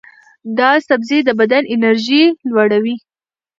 دا سبزی د بدن انرژي لوړوي.